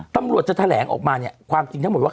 ตำรวจจะแถลงออกมาเนี่ยความจริงทั้งหมดว่า